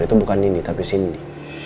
itu bukan nindi tapi sindy